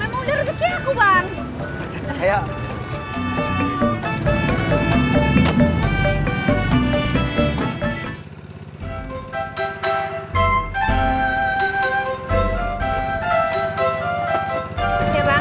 memang udah rezeknya aku bang